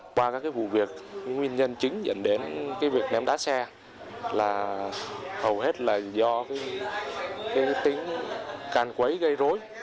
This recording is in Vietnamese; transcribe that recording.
qua các vụ việc nguyên nhân chính dẫn đến cái việc ném đá xe là hầu hết là do tính can quấy gây rối